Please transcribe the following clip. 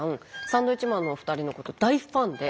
サンドウィッチマンのお二人のこと大ファンで。